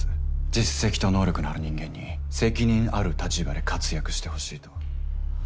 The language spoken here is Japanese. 実績と能力のある人間に責任ある立場で活躍してほしいと。